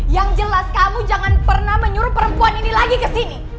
yang jelas kamu jangan pernah menyuruh perempuan ini lagi ke sini